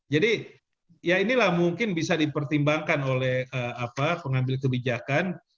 jadi inilah mungkin bisa dipertimbangkan oleh pengambil kebijakan